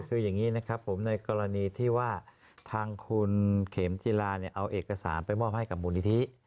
คืออย่างนี้นะครับผมในกรณีที่ว่าทางคุณเข็มจิลาเอาเอกสารไปมอบให้กับมูลนิธิ